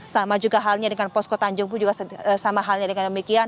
sama juga halnya dengan posko tanjung pun juga sama halnya dengan demikian